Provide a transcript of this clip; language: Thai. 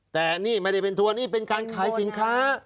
แต่นี่ไม่ได้เป็นทัวร์นี่เป็นการขายสินค้า